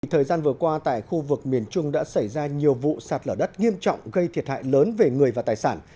thời gian vừa qua tại khu vực miền trung đã xảy ra nhiều vụ sạt lở đất nghiêm trọng gây thiệt hại lớn về người và tài sản